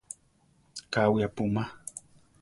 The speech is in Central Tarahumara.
Káwi apúma.